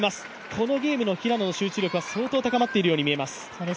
このゲームの平野の集中力は相当高まっているようにみえます。